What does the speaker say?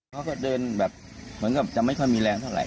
เขาก็เดินแบบเหมือนกับจะไม่ค่อยมีแรงเท่าไห